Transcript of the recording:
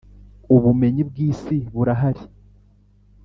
Ubumenyi bw’ isi burahari.